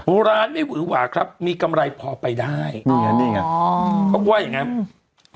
เพราะร้านไม่หวือหว่าครับมีกำไรพอไปได้เขาก็ว่าอย่างงี้